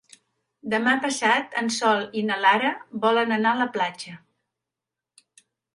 Demà passat en Sol i na Lara volen anar a la platja.